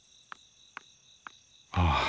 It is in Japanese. ああ。